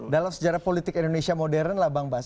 dalam sejarah politik indonesia modern lah bang bas